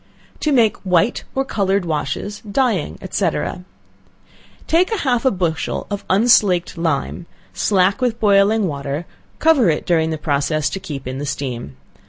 To Make White or Colored Washes, Dyeing, &c. Take half a bushel of unslaked lime, slack with boiling water, covering it during the process to keep in the steam.